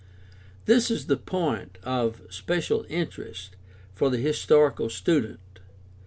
This is the point of special interest for the historical student.